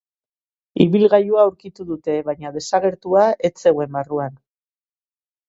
Ibilgailua aurkitu dute, baina desagertua ez zegoen barruan.